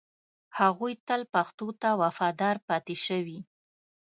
هغوی تل پښتو ته وفادار پاتې شوي